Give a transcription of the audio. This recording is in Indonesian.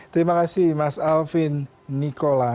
terima kasih mas alvin nikola